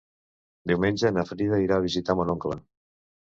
Diumenge na Frida irà a visitar mon oncle.